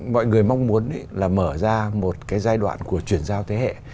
mọi người mong muốn là mở ra một cái giai đoạn của chuyển giao thế hệ